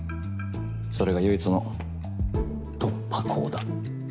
それが唯一の突破口だ。